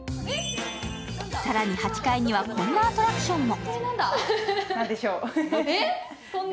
更に８階にはこんなアトラクションも。